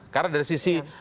karena dari sisi